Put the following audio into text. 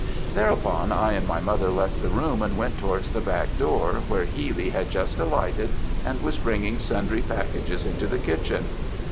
"Thereupon, I and my mother left the room, and went towards the back door, where Healy had just alighted, and was bringing sundry packages into the kitchen.